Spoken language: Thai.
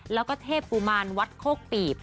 แล้วก็เทพกุมารวัดโคกปีบ